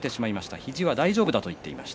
肘は大丈夫だと話しています。